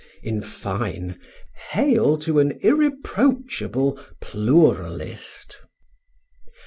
In fine, hail to an irreproachable pluralist.